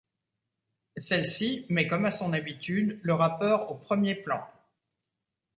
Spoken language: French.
Celle-ci met, comme à son habitude, le rappeur au premier plan.